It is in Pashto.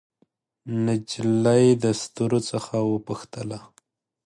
نجلۍ د ستورو څخه وپوښتله